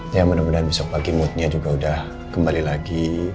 ya mudah mudahan besok pagi moodnya juga udah kembali lagi